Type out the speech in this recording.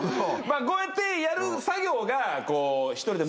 こうやってやる作業がこう。